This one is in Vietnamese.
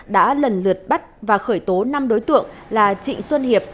đã lần lượt bắt và khởi tố năm đối tượng là trịnh xuân hiệp